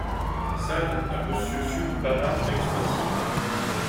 S'ad à Monsieur sud Pamart ex-princip.